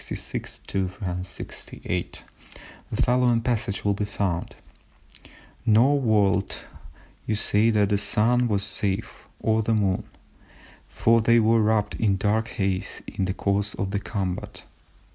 lines 366 8) the following passage will be found:—"Nor would you say that the Sun was safe, or the Moon, for they were wrapt in dark haze in the course of the combat."